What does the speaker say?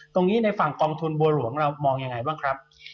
ในฝั่งกองทุนบัวหลวงเรามองยังไงบ้างครับ